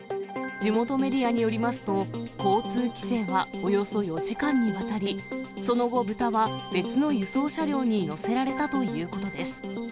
地元メディアによりますと、交通規制はおよそ４時間にわたり、その後、豚は別の輸送車両に乗せられたということです。